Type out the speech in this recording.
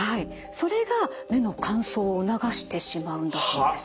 それが目の乾燥を促してしまうんだそうです。